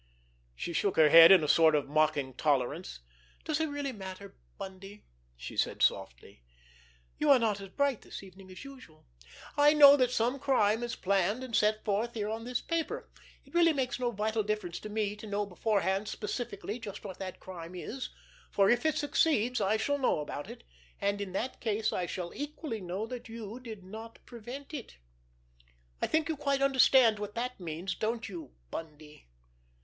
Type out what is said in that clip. She shook her head in a sort of mocking tolerance. "Does it really matter, Bundy?" she asked softly. "You are not as bright this evening as usual. I know that some crime is planned and set forth here on this paper. It really makes no vital difference to me to know beforehand specifically just what that crime is, for if it succeeds I shall know about it, and, in that case, I shall equally know that you did not prevent it. I think you quite understand what that means, don't you, Bundy?